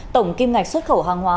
tổng kim ngạch xuất khẩu hàng hóa